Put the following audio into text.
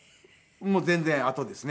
もう全然あとですね。